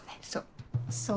そう。